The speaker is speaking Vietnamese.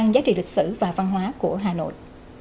giá trị lịch sử và văn hóa của hà nội